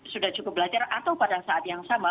sudah cukup belajar atau pada saat yang sama